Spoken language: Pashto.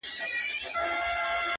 جنت سجده کي دی جنت په دې دنيا کي نسته